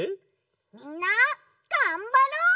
みんながんばろう！